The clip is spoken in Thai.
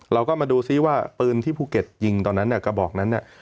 เราก็มาดูซิว่าปืนที่ภูเก็ตยิงตอนนั้นเนี่ยกระบอกนั้นเนี่ย